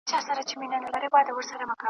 د حیرت ګوته په غاښ ورته حیران وه .